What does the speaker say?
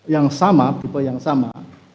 yang sama tipe yang sama